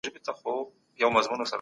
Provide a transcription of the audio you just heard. که شعور وي، نو هېواد به پرمختللی وي.